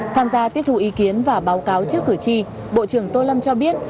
tham gia tiếp thu ý kiến và báo cáo trước cử tri bộ trưởng tô lâm cho biết